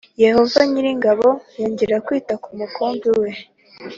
Yehova nyir’ingabo yongeye kwita ku mukumbi we